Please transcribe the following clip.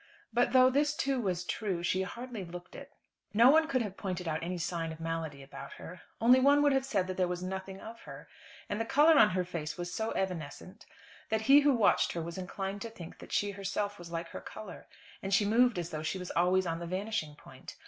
But though this too, was true, she hardly looked it. No one could have pointed out any sign of malady about her; only one would have said that there was nothing of her. And the colour on her face was so evanescent that he who watched her was inclined to think that she herself was like her colour. And she moved as though she was always on the vanishing point.